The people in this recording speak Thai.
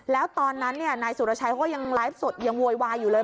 แล้วตอนนั้นนายสุรชัยเขาก็ยังไลฟ์สดยังโวยวายอยู่เลย